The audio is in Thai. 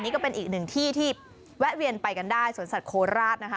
นี่ก็เป็นอีกหนึ่งที่ที่แวะเวียนไปกันได้สวนสัตว์โคราชนะคะ